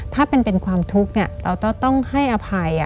ถ้าเป็นความทุกข์เราต้องให้อภัย